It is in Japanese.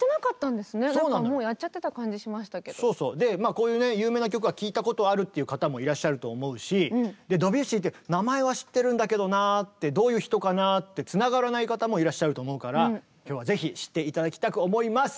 こういうね有名な曲は聴いたことあるっていう方もいらっしゃると思うしドビュッシーって名前は知ってるんだけどなあってどういう人かなあってつながらない方もいらっしゃると思うから今日はぜひ知って頂きたく思います！